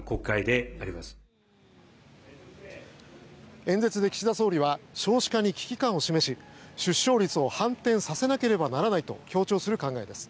演説で岸田総理は少子化に危機感を示し出生率を反転させなければならないと強調する考えです。